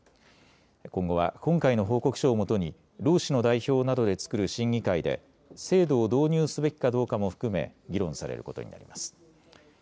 今後は今回の報告書をもとに労使の代表などで作る審議会で制度を導入すべきかどうかも含め議論されることになります。